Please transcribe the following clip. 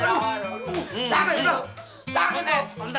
eh bentar bentar